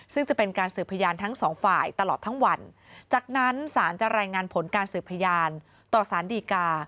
ซึ่งจะเป็นการสืบพยานทั้งสองฝ่ายตลอดทั้งวันจากนั้นศาลจะรายงานผลการสืบพยานต่อสารดีกา